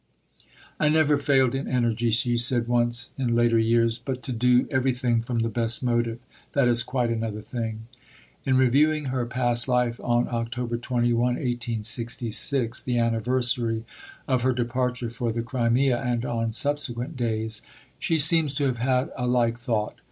"I never failed in energy," she said once in later years; "but to do everything from the best motive that is quite another thing." In reviewing her past life on October 21, 1866, the anniversary of her departure for the Crimea, and on subsequent days, she seems to have had a like thought.